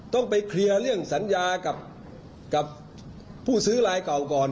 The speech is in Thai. ต้องไปเคลียร์เรื่องสัญญากับผู้ซื้อลายเก่าก่อน